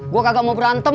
gua kagak mau berantem